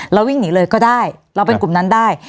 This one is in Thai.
เราวิ่งหนีเลยก็ได้เราเป็นกลุ่มนั้นได้